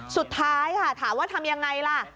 สุดท้ายค่ะถามว่าทำยังไงล่ะ